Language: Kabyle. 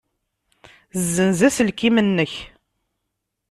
Ssenz aselkim-nnek.